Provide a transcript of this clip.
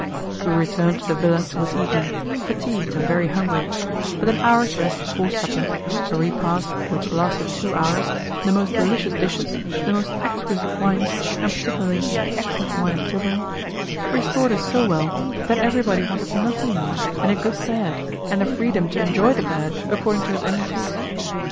We returned to the villa towards evening, fatigued and very hungry, but an hour's rest before supper a repast which lasted two hours, the most delicious dishes, the most exquisite wines, and particularly the excellent wine of Tivoli restored us so well that everybody wanted nothing more than a good bed and the freedom to enjoy the bed according to his own taste.